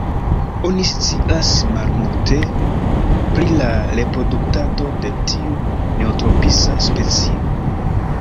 Oni scias malmulte pri la reproduktado de tiu neotropisa specio.